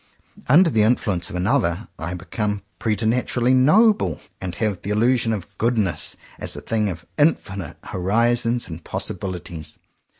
Under the influence of another, I become preternaturally *'noble," and have the il lusion of ''goodness" as a thing of infinite horizons and possibilities.